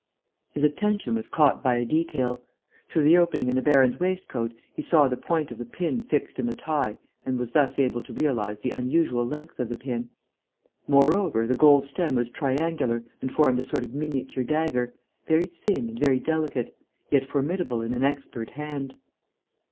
His attention was caught by a detail: through the opening in the baron's waistcoat he saw the point of the pin fixed in the tie and was thus able to realize the unusual length of the pin. Moreover, the gold stem was triangular and formed a sort of miniature dagger, very thin and very delicate, yet formidable in an expert hand.